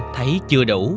thấy chưa đủ